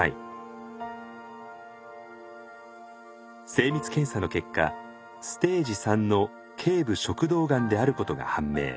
精密検査の結果ステージ３の頸部食道がんであることが判明。